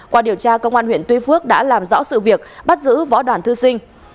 qua điều tra công an huyện tuy phước đã làm rõ sự việc bắt giữ võ đoàn thư sinh